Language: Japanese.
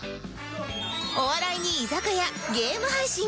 お笑いに居酒屋ゲーム配信